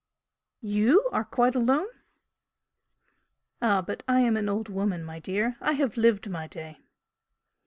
"YOU are quite alone?" "Ah, but I am an old woman, my dear! I have lived my day!"